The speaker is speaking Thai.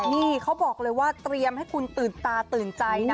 นี่เขาบอกเลยว่าเตรียมให้คุณตื่นตาตื่นใจนะ